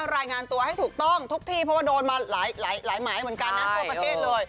รายงานตัวให้ถูกต้องทุกที่เพราะว่าโดนมาหลายหมายเหมือนกันนะทั่วประเทศเลย